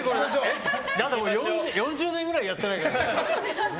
だって４０年くらいやってないから。